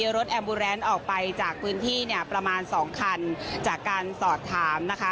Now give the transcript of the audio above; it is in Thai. รถแอมบูแรนด์ออกไปจากพื้นที่เนี่ยประมาณสองคันจากการสอบถามนะคะ